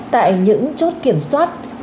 tại những chốt kiểm soát